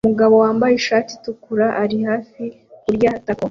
Umugabo wambaye ishati itukura ari hafi kurya taco